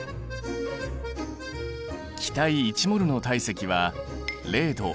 気体１ｍｏｌの体積は０℃